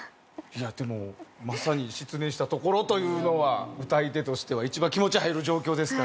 いやでもまさに失恋したところというのは歌い手としては一番気持ち入る状況ですからね。